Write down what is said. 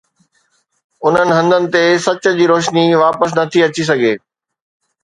انهن هنڌن تي سج جي روشني واپس نٿي اچي سگهي.